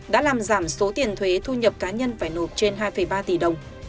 đã làm giảm số tiền thuế thu nhập cá nhân phải nộp trên hai ba tỷ đồng